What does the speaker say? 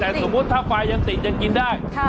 แต่สมมุติถ้าไฟยังติดยังกินได้